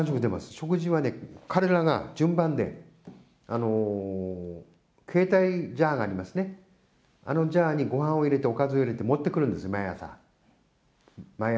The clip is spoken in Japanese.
食事はね、彼らが順番で、携帯ジャーがありますね、あのジャーにごはんを入れて、おかずを入れて持ってくるんです、毎朝。